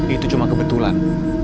itu cuma kebetulan